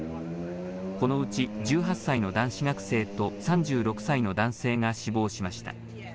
このうち１８歳の男子学生と３６歳の男性が死亡しました。